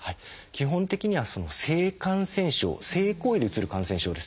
基本的には性感染症性行為でうつる感染症です。